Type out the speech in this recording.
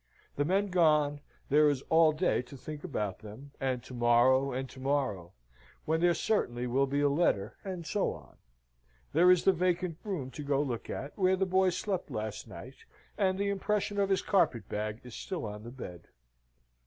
The men gone, there is all day to think about them, and to morrow and to morrow when there certainly will be a letter and so on. There is the vacant room to go look at, where the boy slept last night, and the impression of his carpet bag is still on the bed.